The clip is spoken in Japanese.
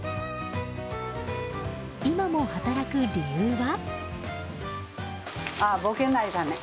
今も働く理由は？